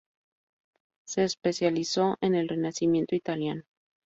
Se especializó en el Renacimiento italiano.